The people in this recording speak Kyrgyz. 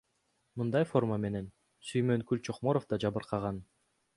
Мындай форма менен Сүймөнкул Чокморов да жабыркаган.